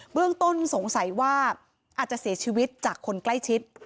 เรื่องต้นสงสัยว่าอาจจะเสียชีวิตจากคนใกล้ชิด